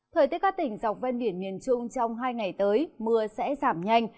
thời tiết các tỉnh dọc ven biển miền trung trong hai ngày tới mưa sẽ giảm nhanh